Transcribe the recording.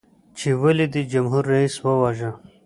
چې ولې دې جمهور رئیس وواژه؟